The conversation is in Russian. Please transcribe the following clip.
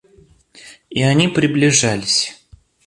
И они приближались.